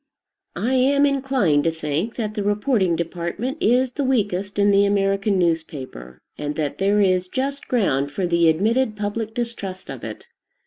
I am inclined to think that the reporting department is the weakest in the American newspaper, and that there is just ground for the admitted public distrust of it.